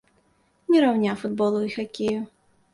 Не раўня футболу і хакею.